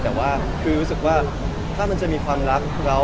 แต่ว่าคือรู้สึกว่าถ้ามันจะมีความรักเรา